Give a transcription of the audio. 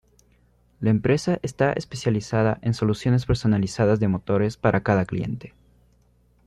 La empresa está especializada en soluciones personalizadas de motores para cada cliente.